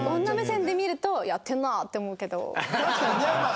確かにねまあ。